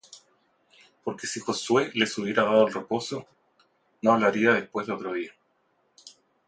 Porque si Josué les hubiera dado el reposo, no hablaría después de otro día.